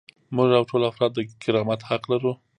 موږ او ټول افراد د کرامت حق لرو.